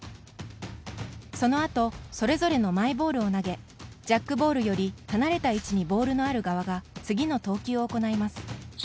そのあと、それぞれのマイボールを投げジャックボールより離れた位置にボールのある側が次の投球を行います。